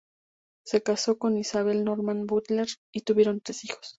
Se casó con Isabel Norman-Butler y tuvieron tres hijos.